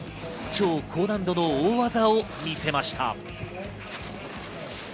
超高難度の大技を見せました。